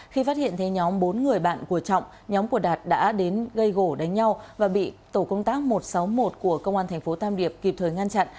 khi phát hiện thấy nhóm bốn người bạn của trọng nhóm của đạt đã đến gây gỗ đánh nhau và bị tổ công tác một trăm sáu mươi một của công an tp tam điệp kịp thời ngăn chặn